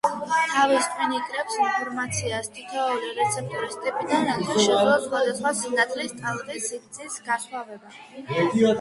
თავის ტვინი კრებს ინფორმაციას თითოეული რეცეპტორის ტიპიდან, რათა შეძლოს სხვადასხვა სინათლის ტალღის სიგრძის განსხვავება.